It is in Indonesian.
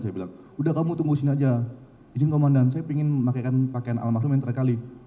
saya bilang udah kamu tunggu sini aja izin komandan saya ingin memakaikan pakaian alam maksum yang terkali